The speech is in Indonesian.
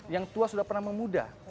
yang tua sudah pernah memuda